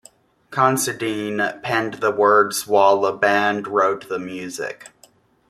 Considine penned the words while the band wrote the music.